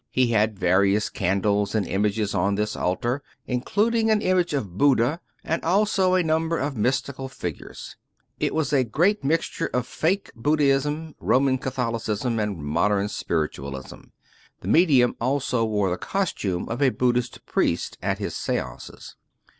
He had various candles and images on this altar, including an image of Buddha, and also a number of mys tical figures. It was a great mixture of " fake " Buddhism, Roman Catholicism, and modem spiritualism. The me dium also wore the costume of a Buddhist priest at his seances.